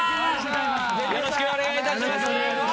よろしくお願いいたします。笑